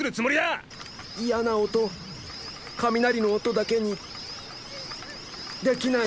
嫌な音雷の音だけにできない。